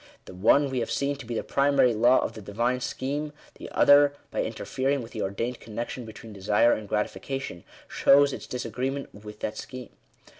The one we have seen to be the primary law of the Divine scheme ; the other, by interfering with the ordained connection between desire and gratification, shows its disagree ment with that scheme.